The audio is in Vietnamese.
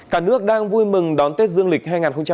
cả nước đang vui mừng đón tết dương lịch hai nghìn hai mươi